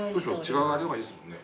違う味の方がいいですもんね。